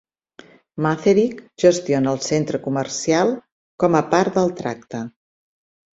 Macerich gestiona el centre comercial com a part del tracte.